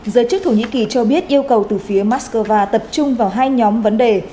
giới chức thổ nhĩ kỳ cho biết yêu cầu từ phía moscow tập trung vào hai nhóm vấn đề